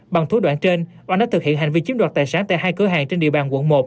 bằng thủ đoạn trên oanh đã thực hiện hành vi chiếm đoạt tài sản tại hai cửa hàng trên địa bàn quận một